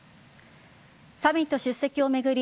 サミット出席を巡り